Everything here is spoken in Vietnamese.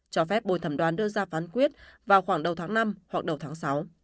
cho phép bồi thẩm đoàn đưa ra phán quyết vào khoảng đầu tháng năm hoặc đầu tháng sáu